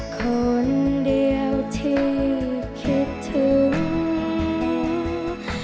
คนเดียวที่คิดถึง